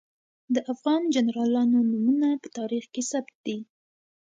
د افغان جنرالانو نومونه په تاریخ کې ثبت دي.